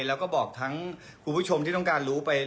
แล้วก็บอกทั้งคุณผู้ชมที่ต้องการรู้ไป